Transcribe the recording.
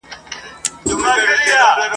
شاوخواته تشه توره کربلا وه !.